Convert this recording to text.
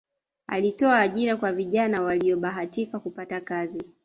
alitoa ajira kwa vijana waliyobahatika kupata kazi